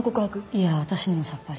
いや私にもさっぱり。